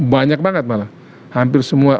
banyak banget malah hampir semua